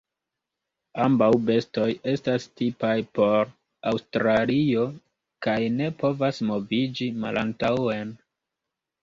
Ambaŭ bestoj estas tipaj por Aŭstralio kaj ne povas moviĝi malantaŭen.